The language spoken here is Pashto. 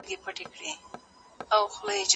زه پلان نه جوړوم!!